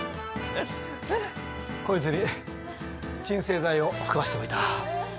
こいつに鎮静剤を含ませておいた。